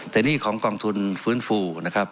แต่หนี้ของกองทุนฟื้นฟูนะครับ